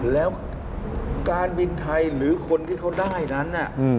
แล้วการบินไทยหรือคนที่เขาได้นั้น